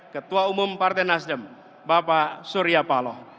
ketua umum partai nasdem bapak surya paloh